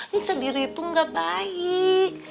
ciksa diri itu gak baik